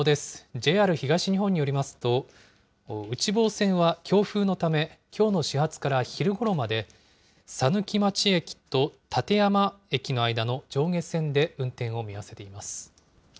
ＪＲ東日本によりますと、内房線は強風のためきょうの始発から昼ごろまで、佐貫町駅と館山駅の間の上下線で運転を見合わせています。